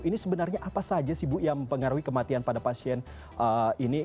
ini sebenarnya apa saja sih bu yang mempengaruhi kematian pada pasien ini